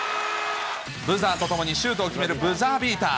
ブザーとともにシュートを決めるブザービーター。